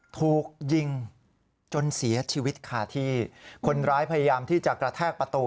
ถูกยิงจนเสียชีวิตคาที่คนร้ายพยายามที่จะกระแทกประตู